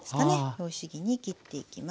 拍子木に切っていきます。